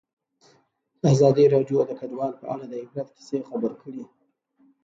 ازادي راډیو د کډوال په اړه د عبرت کیسې خبر کړي.